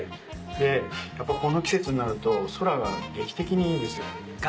でこの季節になると空が劇的にいいんですよ。